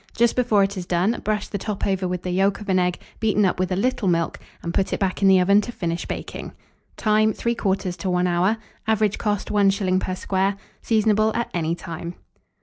Just before it is done, brush the top over with the yolk of an egg beaten up with a little milk, and put it back in the oven to finish baking. Time. 3/4 to 1 hour. Average cost, 1s. per square. Seasonable at any time.